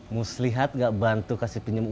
mus lihat gak bantu kasih pinjembatan